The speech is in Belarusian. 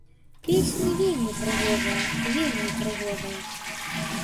Песні вельмі прыгожыя, вельмі прыгожыя.